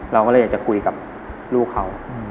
เราก็เลยอยากจะคุยกับลูกเขา